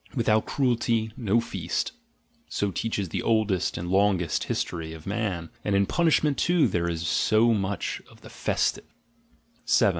Without cruelty, no feast: so teaches the oldest and longest history of man — and in punishment too is there so much of the festive.